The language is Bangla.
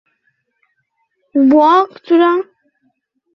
এটা একটা বড় মর্যাদা।